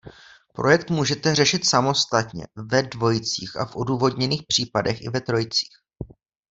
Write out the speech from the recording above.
Projekt můžete řešit samostatně, ve dvojicích a v odůvodněných případech i ve trojicích.